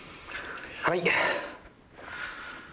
はい。